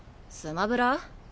「スマブラ」？